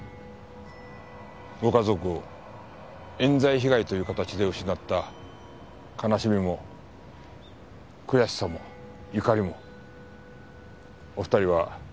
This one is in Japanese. ご家族を冤罪被害という形で失った悲しみも悔しさも怒りもお二人は共有する事が出来た。